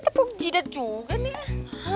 tepuk jidat juga nih